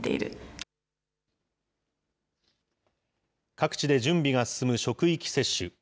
各地で準備が進む職域接種。